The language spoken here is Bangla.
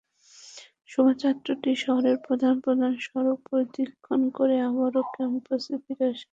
শোভাযাত্রাটি শহরের প্রধান প্রধান সড়ক প্রদক্ষিণ করে আবারও ক্যাম্পাসে ফিরে আসে।